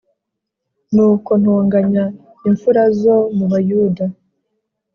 Nuko ntonganya impfura zo mu Bayuda